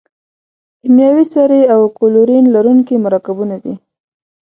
کیمیاوي سرې او کلورین لرونکي مرکبونه دي.